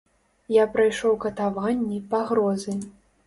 Я прайшоў катаванні, пагрозы.